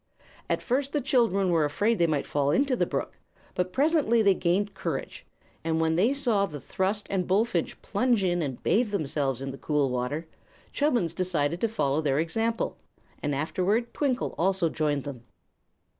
At first the children were afraid they might fall into the brook; but presently they gained courage, and when they saw the thrush and bullfinch plunge in and bathe themselves in the cool water Chubbins decided to follow their example, and afterward Twinkle also joined them.